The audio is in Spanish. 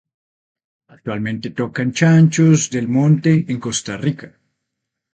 Actualmente toca en Chanchos del Monte en Costa Rica.